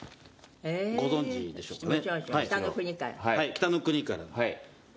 『北の国から』の。